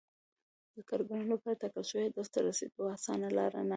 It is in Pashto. د کارګرانو لپاره ټاکل شوي هدف ته رسېدو اسانه لار ناغېړي وه